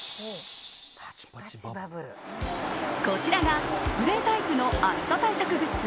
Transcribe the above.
こちらが、スプレータイプの暑さ対策グッズ